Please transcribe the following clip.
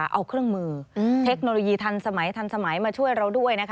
เอาเครื่องมือเทคโนโลยีทันสมัยทันสมัยมาช่วยเราด้วยนะคะ